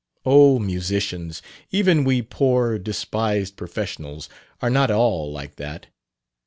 "Oh, musicians even we poor, despised professionals are not all like that.